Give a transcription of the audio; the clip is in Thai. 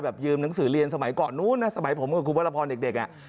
ยืมหนังสือเรียนสมัยก่อนนู้นนะสมัยผมกับคุณวรพรเด็กอ่ะ